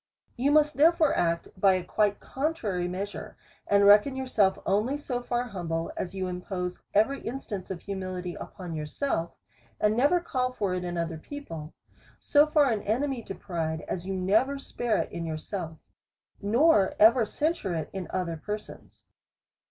You must therefore act by a quite contrary mea sure, and reckon yourself only so far humble, as you impose every instance of humility upon yourself, and never call for it in other people. So far an enemy to pride, as you never spare it in yourself, nor even cen sure it in other persons.